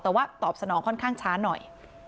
แต่ว่าตอบสนองค่อนข้างช้าหน่อย